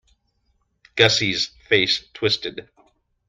Gussie's face twisted.